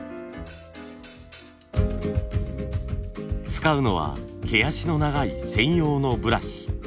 使うのは毛足の長い専用のブラシ。